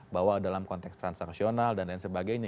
bahwa dalam konteks transaksional dan lain sebagainya